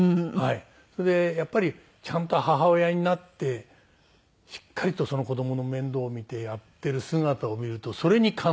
それでやっぱりちゃんと母親になってしっかりと子供の面倒を見てやっている姿を見るとそれに感動しますね。